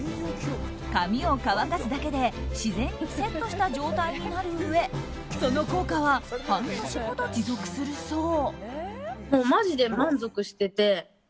髪を乾かすだけで自然にセットした状態になるうえその効果は半年ほど持続するそう。